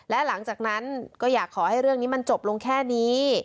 และหลังจากนั้นก็อยากขอให้เรื่องนี้มันจบลงแค่นี้